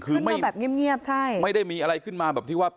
ขึ้นมาแบบเงียบเงียบใช่ไม่ได้มีอะไรขึ้นมาแบบที่ว่า